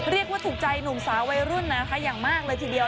เรียกว่าถูกใจหนุ่มสาววัยรุ่นนะคะอย่างมากเลยทีเดียว